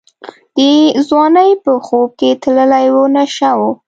د ځوانۍ په خوب کي تللې وه نشه وه